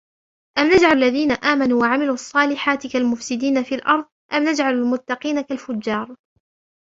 أَمْ نَجْعَلُ الَّذِينَ آمَنُوا وَعَمِلُوا الصَّالِحَاتِ كَالْمُفْسِدِينَ فِي الْأَرْضِ أَمْ نَجْعَلُ الْمُتَّقِينَ كَالْفُجَّارِ